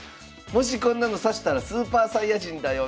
「もしこんなの指したらスーパーサイヤ人だよ」